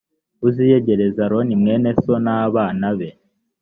uziyegereze aroni mwene so n abana be